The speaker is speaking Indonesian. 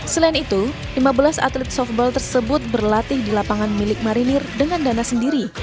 selain itu lima belas atlet softball tersebut berlatih di lapangan milik marinir dengan dana sendiri